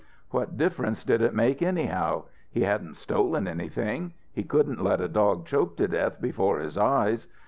What difference did it make anyhow? He hadn't stolen anything. He couldn't let a dog choke to death before his eyes.